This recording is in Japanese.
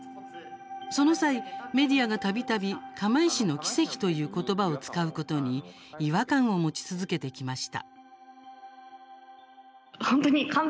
その際、メディアがたびたび「釜石の奇跡」という言葉を使うことに違和感を持ち続けてきました。